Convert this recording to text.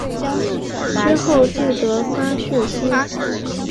之后记得发讯息